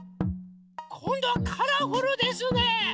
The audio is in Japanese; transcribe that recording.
⁉こんどはカラフルですね。